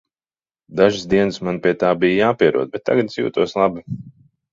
Dažas dienas man pie tā bija jāpierod, bet tagad es jūtos labi.